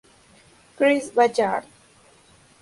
Chris Ballard.